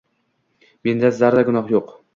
Menda zarra gunoh yo’q.